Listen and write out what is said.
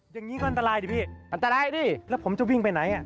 อย่างนี้ก็อันตรายดิพี่อันตรายดิแล้วผมจะวิ่งไปไหน